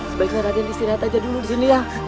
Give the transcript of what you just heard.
sebaiknya raden istirahat aja dulu disini ya